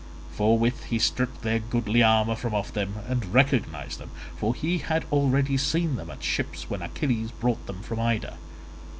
Forthwith he stripped their goodly armour from off them and recognized them, for he had already seen them at ships when Achilles brought them in from Ida.